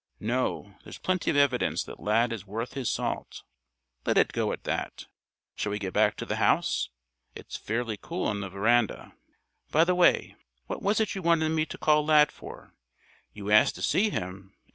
No, there's plenty of evidence that Lad is worth his salt. Let it go at that. Shall we get back to the house? It's fairly cool on the veranda. By the way, what was it you wanted me to call Lad for? You asked to see him.